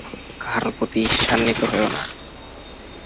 কাহারও প্রতি ঈর্ষান্বিত হইও না।